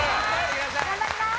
頑張ります。